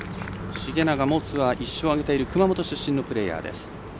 重永もツアー１勝を挙げている熊本出身のプレーヤーです。